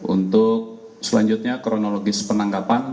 untuk selanjutnya kronologis penangkapan